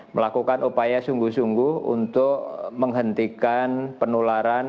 melakukan upaya sungguh sungguh untuk menghentikan penularan